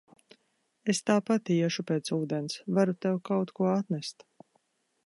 Es tāpat iešu pēc ūdens, varu tev kaut ko atnest.